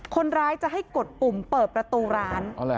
คนร้ายจะให้กดปุ่มเปิดประตูร้าน